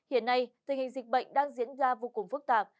hiện nay tình hình dịch bệnh đang diễn ra vô cùng phức tạp